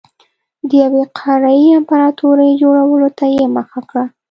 د یوې قاره يي امپراتورۍ جوړولو ته یې مخه کړه.